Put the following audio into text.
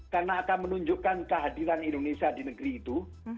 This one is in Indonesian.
karena akan menunjukkan kehadiran indonesia di negeri itu